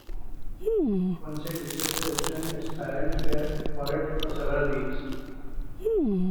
Once it reaches the ocean, its parents care for it for several weeks.